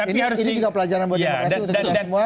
ini juga pelajaran buat demokrasi